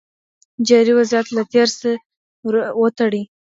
جاري وضعيت له تېر سره وتړئ.